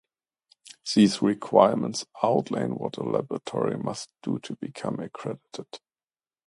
These requirements outline what a laboratory must do to become accredited.